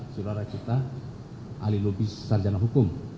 surara kita alilubis sarjana hukum